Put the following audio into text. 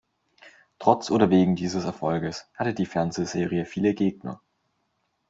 Trotz oder wegen dieses Erfolges hatte die Fernsehserie viele Gegner.